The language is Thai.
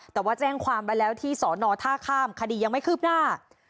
แต่ว่าแจ้งความไปแล้วที่สอนอท่าข้ามคดียังไม่คืบหน้า